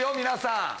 皆さん。